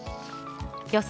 予想